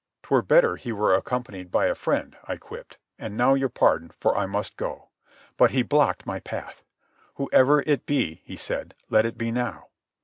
"'Twere better he were accompanied by a friend," I quipped. "And now your pardon, for I must go." But he blocked my path. "Whoever it be," he said, "let it be now."